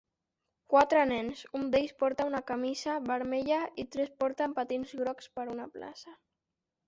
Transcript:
Quatre nens, un d"ells porta una camisa vermella i tres porten patins grocs per una plaça.